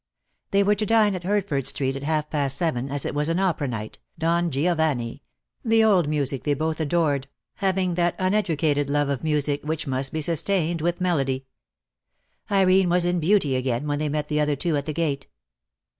They were to dine at Hertford Street at half past seven, as it was an opera night, Don Giovanni, the old music they both adored, having that un educated love of music which must be sustained with melody. Irene was in beauty again when they met the other two at the gate.